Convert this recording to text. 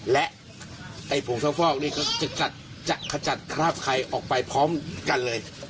และไอ้ผงซักฟอกนี่ก็จะขจัดคราบไข่ออกไปพร้อมกันเลย